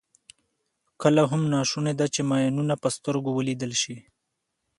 کله هم ناشونې ده چې ماینونه په سترګو ولیدل شي.